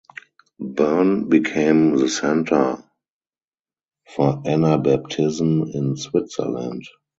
Bern became the center for Anabaptism in Switzerland.